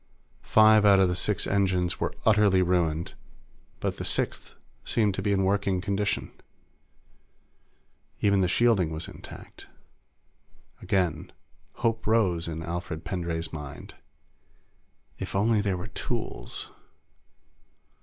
Five out of the six engines were utterly ruined, but the sixth seemed to be in working condition. Even the shielding was intact. Again, hope rose in Alfred Pendray's mind. If only there were tools!